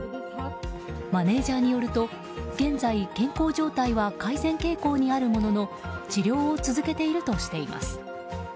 マネジャーによると現在、健康状態は改善傾向にあるものの治療を続けているとしています。